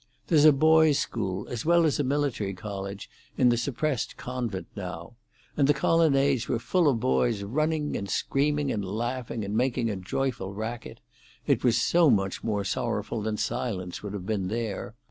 There's a boys' school, as well as a military college, in the suppressed convent now, and the colonnades were full of boys running and screaming and laughing and making a joyful racket; it was so much more sorrowful than silence would have been there.